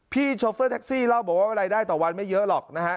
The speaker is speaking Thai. โชเฟอร์แท็กซี่เล่าบอกว่ารายได้ต่อวันไม่เยอะหรอกนะฮะ